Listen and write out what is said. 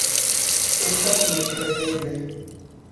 Estas nekredeble.